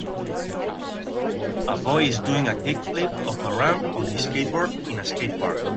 A boy is doing a kick flip off a ramp on his skateboard in a skate park.